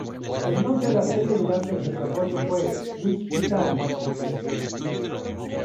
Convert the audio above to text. El nombre de la serie durante el desarrollo fue "Whiskey Tango".